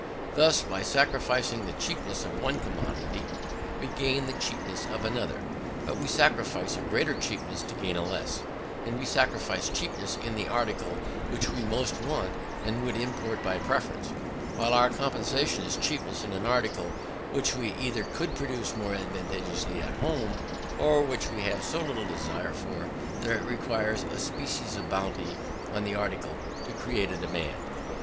Thus by sacrificing the cheapness of one commodity, we gain the cheapness of another: but we sacrifice a greater cheapness to gain a less, and we sacrifice cheapness in the article which we most want, and would import by preference, while our compensation is cheapness in an article which we either could produce more advantageously at home, or which we have so little desire for, that it requires a species of bounty on the article to create a demand.